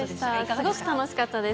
すごく楽しかったです。